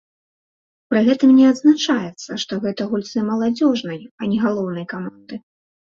Пры гэтым не адзначаецца, што гэта гульцы маладзёжнай, а не галоўнай каманды.